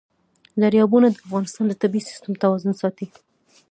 دریابونه د افغانستان د طبعي سیسټم توازن ساتي.